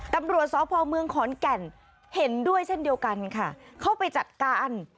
ตำรวจสพเมืองขอนแก่นเห็นด้วยเช่นเดียวกันค่ะเข้าไปจัดการ